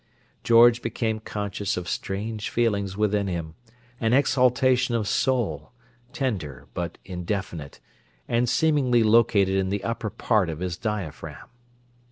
George became conscious of strange feelings within him: an exaltation of soul, tender, but indefinite, and seemingly located in the upper part of his diaphragm.